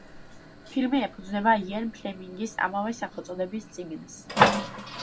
ფილმი ეფუძნება იენ ფლემინგის ამავე სახელწოდების წიგნს.